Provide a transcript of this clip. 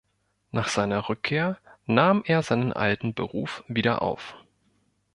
Nach seiner Rückkehr nahm er seinen alten Beruf wieder auf.